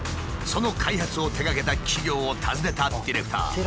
その開発を手がけた企業を訪ねたディレクター。